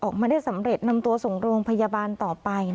ออกมาได้สำเร็จนำตัวส่งโรงพยาบาลต่อไป